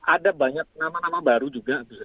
ada banyak nama nama baru juga